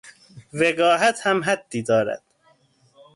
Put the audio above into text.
وقاحت هم حدی دارد